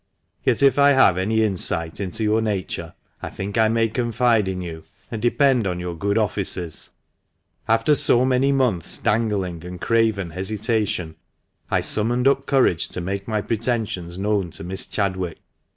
Yet, if I have any insight into your nature, 1 think I may confide in you, and defend on your good THE MANCHESTER MAN. 339 offices. After so many months'1 dangling, and craven hesitation, I summoned up courage to make my pretensions known to Miss Chadwick.